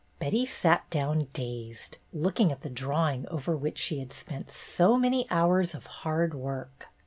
Betty sat down dazed, looking at the draw ing over which she had spent so many hours of hard work.